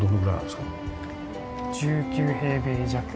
１９平米弱。